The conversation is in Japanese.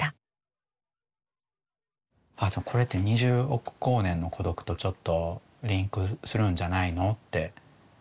これって「二十億光年の孤独」とちょっとリンクするんじゃないのって。